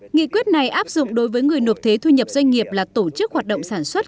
nghị quyết này áp dụng đối với người nộp thuế thu nhập doanh nghiệp là tổ chức hoạt động sản xuất